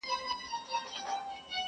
په نارو سوه چي مُلا ولاړی چرګوړی,